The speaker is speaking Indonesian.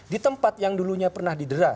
di tempat yang dulunya pernah didera